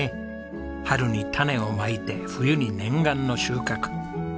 春に種をまいて冬に念願の収穫。